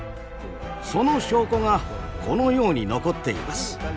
その証拠がこのように残っています。